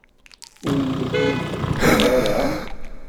Ur iyi-ten-id-tettak ara?